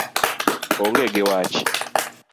Onge gi wach.